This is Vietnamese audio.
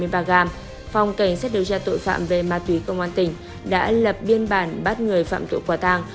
phòng cảnh sát điều tra tội phạm về ma túy công an tỉnh đã lập biên bản bắt người phạm tội quả tàng